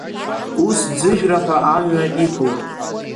Ус, ӡыжәра ҳәа амҩа иқәлт.